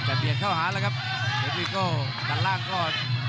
กระเบียดเข้าหาแล้วครับเพชรวีโก้ด้านล่างก่อน